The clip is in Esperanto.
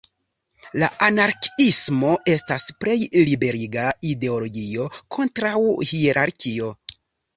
La anarkiismo estas plej liberiga ideologio kontraŭ hierarkio.